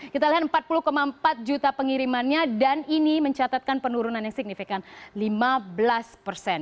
kita lihat empat puluh empat juta pengirimannya dan ini mencatatkan penurunan yang signifikan lima belas persen